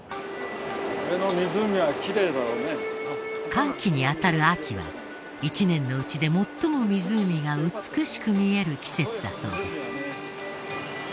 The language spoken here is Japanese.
乾期にあたる秋は一年のうちで最も湖が美しく見える季節だそうです。